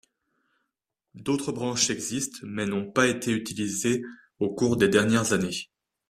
D'autres branches existent, mais n'ont pas été utilisées au cours des dernières années.